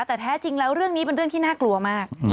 แต่แท้จริงแล้วเรื่องนี้เป็นเรื่องที่น่ากลัวมาก